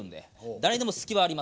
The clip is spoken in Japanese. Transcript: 誰にでも隙はありますから。